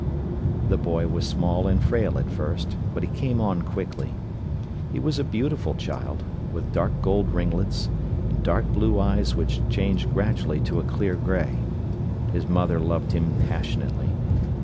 The boy was small and frail at first, but he came on quickly. He was a beautiful child, with dark gold ringlets, and dark blue eyes which changed gradually to a clear grey. His mother loved him passionately.